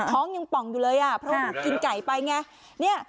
ท้องยังป่องอยู่เลยอ่ะเพราะว่ากินไก่ไปไง